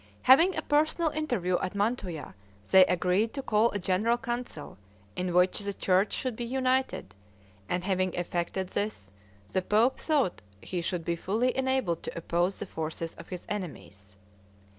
Having a personal interview at Mantua, they agreed to call a general council, in which the church should be united; and having effected this, the pope thought he should be fully enabled to oppose the forces of his enemies.